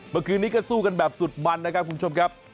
เมื่อคืนนี้ก็สู้กันแบบสุดมันนะครับคุณผู้ชมครับ